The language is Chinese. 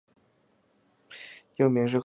幼名是鹤千代。